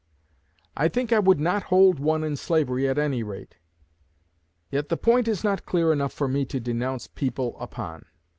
I think I would not hold one in slavery at any rate; yet the point is not clear enough for me to denounce people upon.